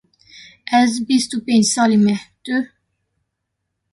Ez bîst û pênc salî me, tu?